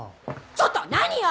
ちょっと何よ！